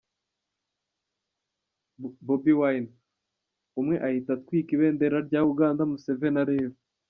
Bobi Wine!”,umwe ahita atwika ibendera rya Uganda Museveni areba.